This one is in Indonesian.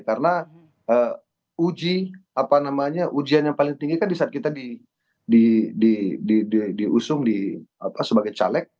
karena ujian yang paling tinggi kan disaat kita diusung sebagai caleg